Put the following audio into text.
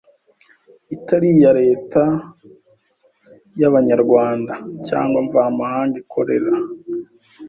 itari iya Leta yaba nyarwanda cyangwa mvamahanga ikorera